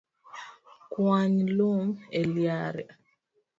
Kwany lum e liare